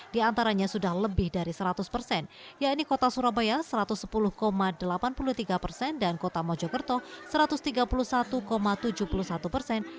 di antaranya sudah lebih dari seratus persen yaitu kota surabaya satu ratus sepuluh delapan puluh tiga persen dan kota mojokerto satu ratus tiga puluh satu tujuh puluh satu persen